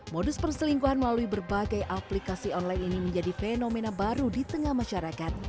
modus perselingkuhan melalui berbagai aplikasi online ini menjadi fenomena baru di tengah masyarakat